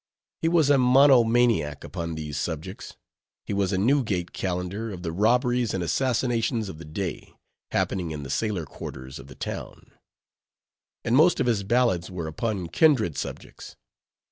He was a monomaniac upon these subjects; he was a Newgate Calendar of the robberies and assassinations of the day, happening in the sailor quarters of the town; and most of his ballads were upon kindred subjects.